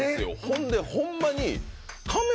ほんでホンマに。